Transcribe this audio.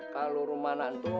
kalau rumana itu